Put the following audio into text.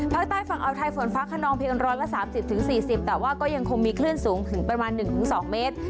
ภาคใต้ฝั่งอัลไทยฝนฟ้าขนองเพียงร้อยละสามสิบถึงสี่สิบแต่ว่าก็ยังคงมีคลื่นสูงถึงประมาณหนึ่งถึงสองเมตร